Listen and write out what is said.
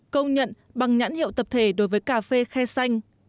công nhận bằng nhãn hiệu tập thể đối với cà phê khe xanh